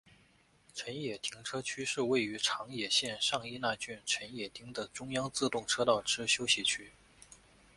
辰野停车区是位于长野县上伊那郡辰野町的中央自动车道之休息区。